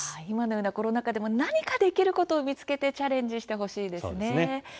今のようなコロナ禍でも何かできることを見つけてチャレンジしてほしいですね。